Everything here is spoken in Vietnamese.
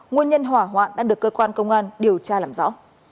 nguồn nhân hỏa hoạn đang được cơ quan công an điều tra làm rõ